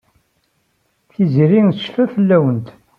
Tiziri tecfa fell-awent.